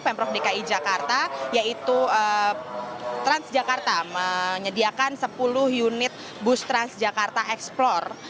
pemprov dki jakarta yaitu transjakarta menyediakan sepuluh unit bus transjakarta explore